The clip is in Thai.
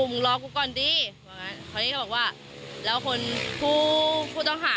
มึงรอกูก่อนดีเขาบอกว่าแล้วคนครูครูต้องหา